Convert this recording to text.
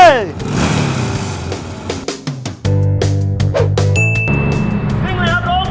ถึงแล้วครับทุกคน